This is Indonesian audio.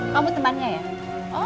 kamu temannya ya